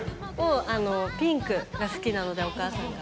ピンクが好きなのでお母さんが。